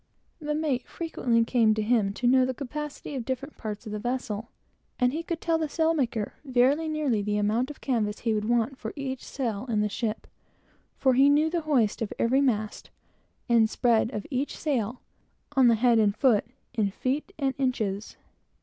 The mate frequently came to him to know the capacity of different parts of the vessel, so he could tell the sailmaker very nearly the amount of canvas he would want for each sail in the ship; for he knew the hoist of every mast, and spread of every sail, on the head and foot, in feet and inches.